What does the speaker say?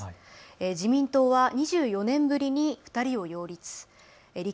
自民党は２４年ぶりに２人を擁立。